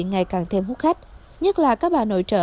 ngày càng thêm hút khách nhất là các bà nội trợ